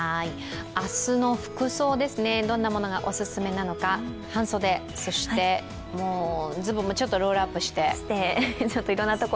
明日の服装ですね、どんなものがお勧めなのか、半袖、そしてスボンもちょっとロールアップして。